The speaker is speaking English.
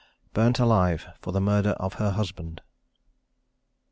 BURNT ALIVE FOR THE MURDER OF HER HUSBAND.